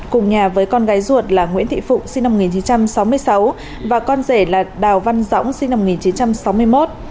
cùng nhà với con gái ruột là nguyễn thị phụng sinh năm một nghìn chín trăm sáu mươi sáu và con rể là đào văn dõng sinh năm một nghìn chín trăm sáu mươi một